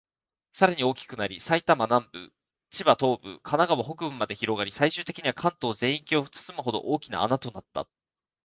さらに大きくなり、埼玉南部、千葉東部、神奈川北部まで広がり、最終的には関東全域を包むほど、大きな穴となった。